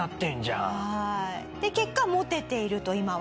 結果モテていると今は。